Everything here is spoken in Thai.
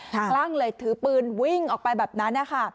คลั่งเลยถือปืนวิ่งออกไปแบบนั้นนะคะ